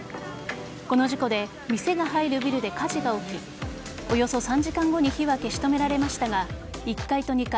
この事故で店が入るビルで火事が起きおよそ３時間後に火は消し止められましたが１階と２階